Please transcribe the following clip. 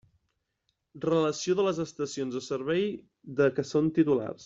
Relació de les estacions de servei de què són titulars.